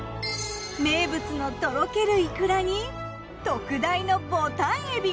名物のとろけるイクラに特大のぼたん海老。